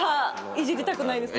いじりたくないですか？